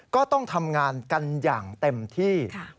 ก็ต้องทำงานกันอย่างเต็มที่